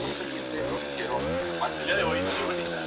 Ellos se fueron de tour por todo Japón ganando popularidad.